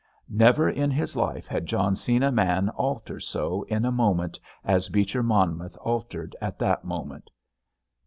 Never in his life had John seen a man alter so in a moment as Beecher Monmouth altered in that moment.